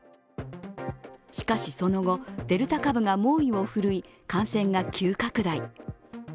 しかし、その後、デルタ株が猛威を振るい、感染が急拡大。